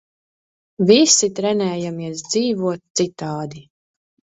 Visi trenējamies dzīvot citādi.